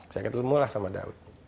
saya ketemu lah sama daud